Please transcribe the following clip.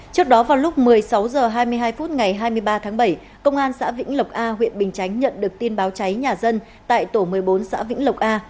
trước đó vào lúc một mươi sáu h hai mươi hai phút ngày hai mươi ba tháng bảy công an xã vĩnh lộc a huyện bình chánh nhận được tin báo cháy nhà dân tại tổ một mươi bốn xã vĩnh lộc a